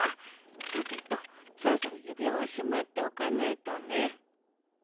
さてとそろそろ指輪をしまっておかないとね。